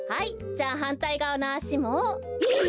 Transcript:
じゃはんたいがわのあしも。えっ？